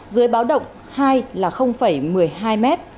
dưới báo động hai là một mươi hai m